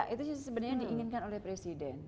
itu yang sebenarnya diinginkan oleh presiden